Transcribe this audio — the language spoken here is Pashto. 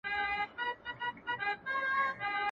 دواړو لاسونو يې د نيت په نيت غوږونه لمس کړل.